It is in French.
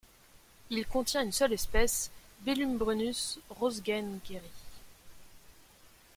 Il contient une seule espèce, Bellubrunnus rothgaengeri.